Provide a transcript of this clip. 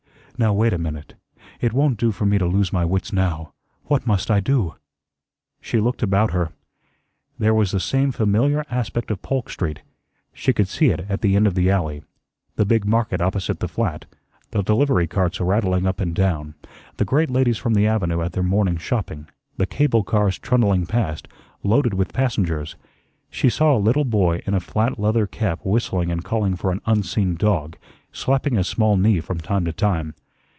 "Now, wait a minute. It won't do for me to lose my wits now. What must I do?" She looked about her. There was the same familiar aspect of Polk Street. She could see it at the end of the alley. The big market opposite the flat, the delivery carts rattling up and down, the great ladies from the avenue at their morning shopping, the cable cars trundling past, loaded with passengers. She saw a little boy in a flat leather cap whistling and calling for an unseen dog, slapping his small knee from time to time.